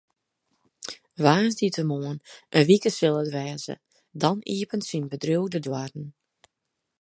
Woansdeitemoarn in wike sil it wêze, dan iepenet syn bedriuw de doarren.